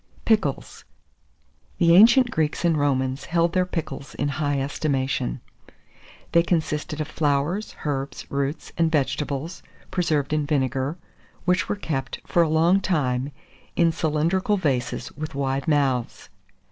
PICKLES. The ancient Greeks and Romans held their pickles in high estimation. They consisted of flowers, herbs, roots, and vegetables, preserved in vinegar, and which were kept, for a long time, in cylindrical vases with wide mouths.